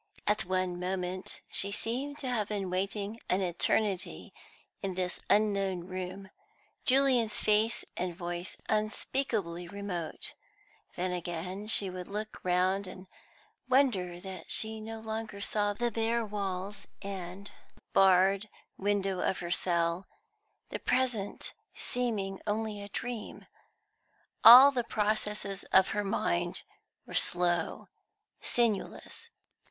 At one moment she seemed to have been waiting an eternity in this unknown room, Julian's face and voice unspeakably remote; then again she would look round and wonder that she no longer saw the bare walls and barred window of her cell, the present seeming only a dream. All the processes of her mind were slow, sinewless.